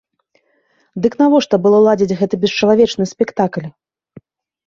Дык навошта было ладзіць гэты бесчалавечны спектакль?